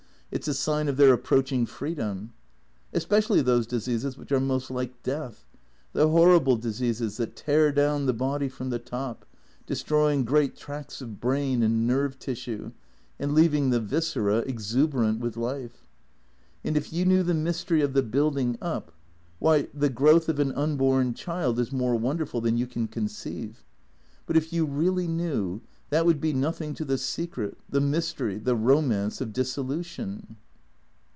It 's a sign of their approaching freedom. Especially those diseases which are most like death — the horrible diseases that tear down the body from the top, destroying great tracts of brain and nerve tissue, and leaving the viscera exuberant with life. And if you knew the mystery of the building up — why, the growth of an unborn child is more wonderful than you can conceive. But, if you really knew, that would be nothing to the secret — the mystery — the romance of dissolution."